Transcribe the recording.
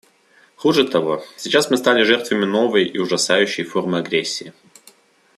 Хуже того — сейчас мы стали жертвами новой и ужасающей формы агрессии.